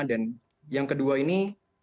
dan yang kedua ini